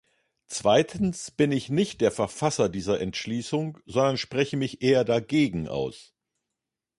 Zweitens bin ich nicht der Verfasser dieser Entschließung, sondern spreche mich eher dagegen aus.